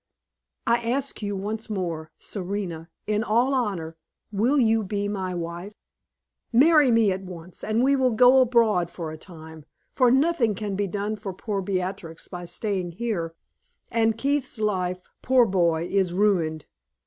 I ask you once more, Serena, in all honor, will you be my wife? Marry me at once, and we will go abroad for a time; for nothing can be done for poor Beatrix by staying here; and Keith's life, poor boy, is ruined.